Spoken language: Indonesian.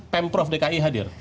pemprov dki hadir